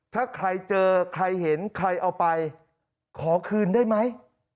ถ้าใครเจอใครเห็นใครเอาไปขอคืนได้ไหม